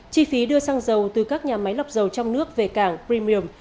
chi phí đưa sang giàu từ các nhà máy lọc giàu trong nước về cảng premium